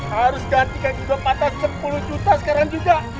harus ganti kan juga patah sepuluh juta sekarang juga